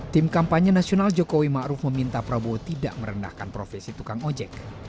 tim kampanye nasional jokowi ma'ruf meminta prabowo tidak merendahkan profesi tukang ojek